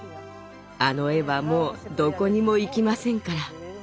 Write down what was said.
あの絵はもうどこにも行きませんから。